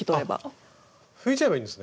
あっ拭いちゃえばいいんですね。